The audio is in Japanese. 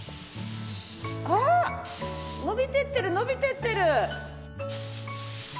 あっ伸びていってる伸びていってる！